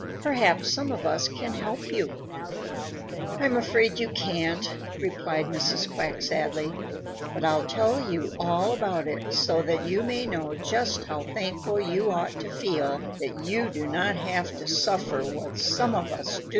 "Perhaps some of us can help you." "I'm afraid you can't," replied Mrs. Quack sadly, "but I'll tell you all about it so that you may know just how thankful you ought to feel that you do not have to suffer what some of us do."